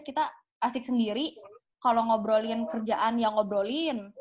kita asik sendiri kalau ngobrolin kerjaan ya ngobrolin